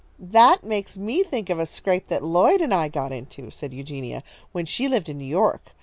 "That makes me think of a scrape that Lloyd and I got into," said Eugenia, "when she lived in New York.